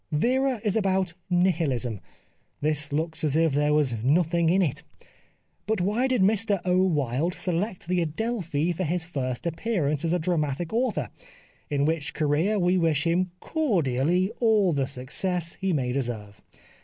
Vera is about Nihilism, this looks as if there was nothing in it. But why did Mr O. Wilde select the Adelphi for his first appearance as a Dramatic Author, in which career we wish him cordially all the success he may deserve